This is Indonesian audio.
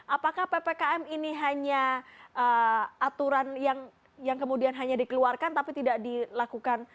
apakah ppkm ini hanya aturan yang kemudian hanya dikeluarkan tapi tidak dilakukan